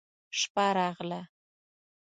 شپه راغله.